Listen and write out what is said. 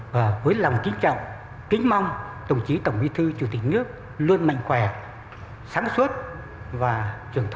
và với lòng kính trọng kính mong đồng chí tổng bí thư chủ tịch nước luôn mạnh khỏe sáng suốt và trường thọ